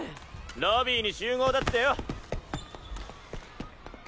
ロビーに集合だってよ！